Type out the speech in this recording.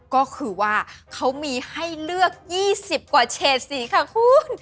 ก็คือว่าเขามีให้เลือก๒๐กว่าเฉดสีค่ะคุณ